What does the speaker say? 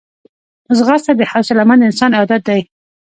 ځغاسته د حوصلهمند انسان عادت دی